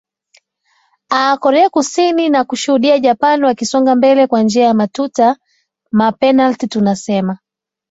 aa korea kusini na kushudia japan wakisonga mbele kwa njia ya matuta mapenalti tunasema